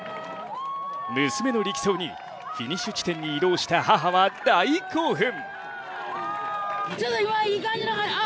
娘の力走にフィニッシュ地点に移動した母は大興奮。